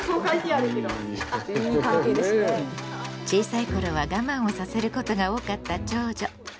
小さい頃は我慢をさせることが多かった長女。